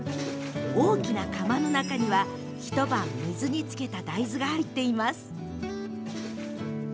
大きな釜の中には一晩水につけた大豆が入っています。